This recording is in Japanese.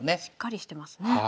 しっかりしてますね。